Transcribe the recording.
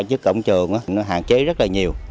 trước cổng trường nó hạn chế rất là nhiều